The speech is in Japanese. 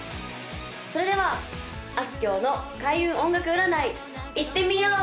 それではあすきょうの開運音楽占いいってみよう！